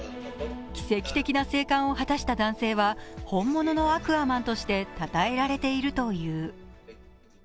奇跡的な生還を果たした男性は本物のアクアマンとしてたたえられているという。